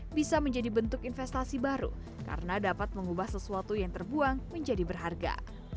dan ini bisa menjadi bentuk investasi baru karena dapat mengubah sesuatu yang terbuang menjadi berharga